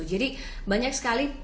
jadi banyak sekali